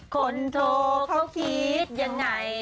คนโทรเขาคิดยังไง